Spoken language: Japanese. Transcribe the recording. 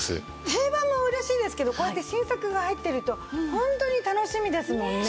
定番も嬉しいですけどこうやって新作が入ってるとホントに楽しみですもんね。